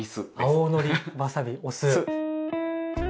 青のりわさびお酢。